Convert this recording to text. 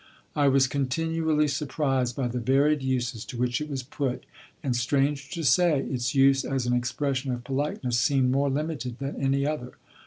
I was continually surprised by the varied uses to which it was put; and, strange to say, its use as an expression of politeness seemed more limited than any other.